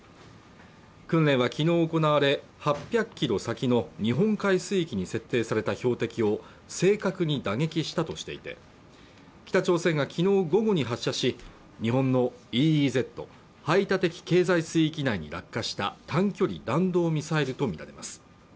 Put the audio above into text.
訓練は昨日行われ８００キロ先の日本海水域に設定された標的を正確に打撃したとしていて北朝鮮がきのう午後に発射し日本のＥＥＺ＝排他的経済水域内に落下した短距離弾道ミサイルと見られます